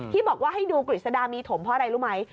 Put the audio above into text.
ที่บอกว่าให้ดูกฤษฎามีถมเพราะอะไรรู้ไหม